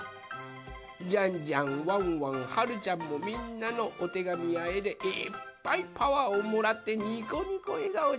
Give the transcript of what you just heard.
ジャンジャンワンワンはるちゃんもみんなのおてがみやえでいっぱいパワーをもらってにこにこえがおじゃ。